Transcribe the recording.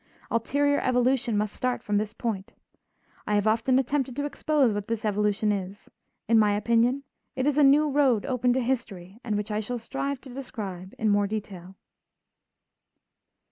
Ulterior evolution must start from this point. I have often attempted to expose what this evolution is; in my opinion, it is a new road open to history and which I shall strive to describe more in detail.